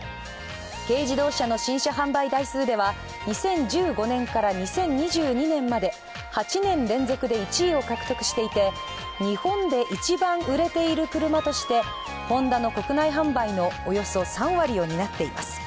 軽自動車の新車販売台数では２０１５年から２０２２年まで８年連続で１位を獲得していて日本で一番売れている車としてホンダの国内販売のおよそ３割を担っています。